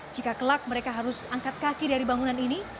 jika kelak mereka harus angkat kaki dari bangunan ini